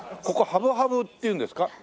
ここハブハブっていうんですか？